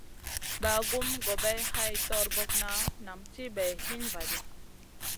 Bagumna gobay hay torbokna nam ti bay hin va ɗi.